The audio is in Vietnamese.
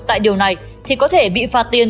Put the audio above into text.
tại điều này thì có thể bị phạt tiền